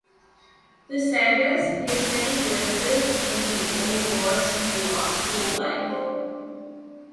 The sagas give many glimpses into the Old Norse philosophy of life.